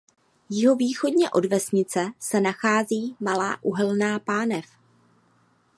Jihovýchodně od vesnice se nachází malá uhelná pánev.